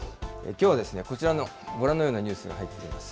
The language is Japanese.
きょうはこちらの、ご覧のようなニュースが入っています。